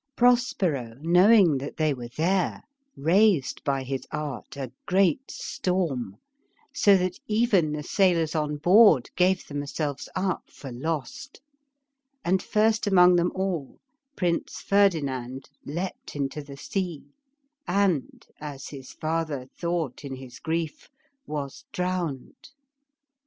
Prospero, knowing they were there, raised by his art a great storm, so that even the sailors on board gave themselves up for lost; and first among them all Prince Ferdinand leaped into the sea, and, as his father thought in his grief, was drowned.